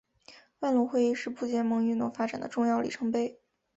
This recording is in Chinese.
万隆会议是不结盟运动发展的重要里程碑。